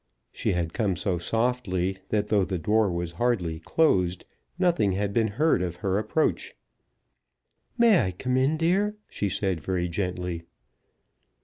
She had come so softly, that though the door was hardly closed, nothing had been heard of her approach. "May I come in, dear?" she said very gently.